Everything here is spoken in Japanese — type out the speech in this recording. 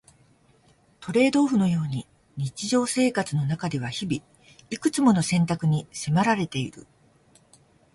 トレードオフのように日常生活の中では日々、いくつもの選択に迫られている。